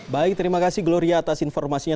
baik terima kasih gloria atas informasinya